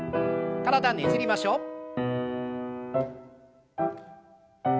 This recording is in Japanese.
体ねじりましょう。